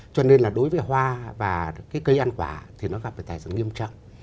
cho nên là đối với hoa và cái cây ăn quả thì nó gặp về tài sản nghiêm trọng